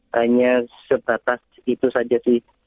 hanya sebatas itu saja